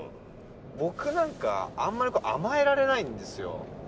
僕なんかあんまり甘えられないんですよ。